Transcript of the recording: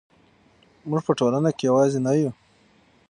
موږ په ټولنه کې یوازې نه یو.